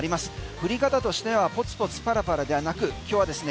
降り方としてはポツポツパラパラではなく今日はですね